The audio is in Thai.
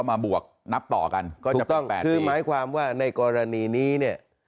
มาบวกนับต่อกันก็จะต้องไปคือหมายความว่าในกรณีนี้เนี่ย